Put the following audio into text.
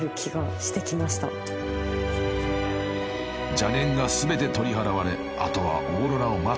［邪念が全て取り払われあとはオーロラを待つのみ］